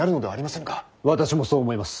私もそう思います。